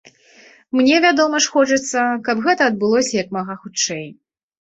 Мне, вядома ж, хочацца, каб гэта адбылося як мага хутчэй.